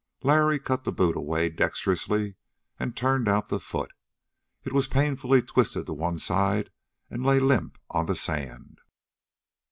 Lowrie cut the boot away dexterously and turned out the foot. It was painfully twisted to one side and lay limp on the sand.